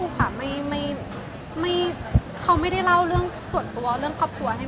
ภูขาอะไรแบบเนี่ยเขาแบบเนี่ยเหมือนอุปสรรค์หรืออะไร